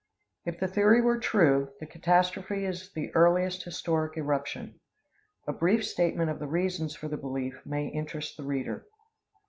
If the theory were true, the catastrophe is the earliest historic eruption. A brief statement of the reasons for the belief may interest the reader.